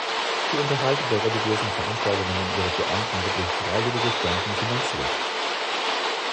Die Unterhaltung der religiösen Veranstaltungen und ihrer Beamten wird durch freiwillige Spenden finanziert.